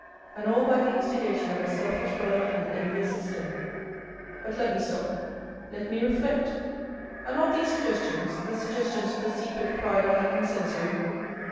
And all by the instigation of a selfish brother, and envious sister But let me stop: let me reflect! Are not these suggestions the suggestions of the secret pride I have been censuring?